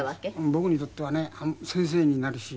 僕にとってはね先生になるし。